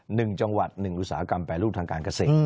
หนึ่งจังหวัดหนึ่งอุตสาหกรรมแปรรูปทางการเกษตร